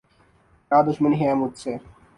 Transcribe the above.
کیا دشمنی ہے مجھ سے؟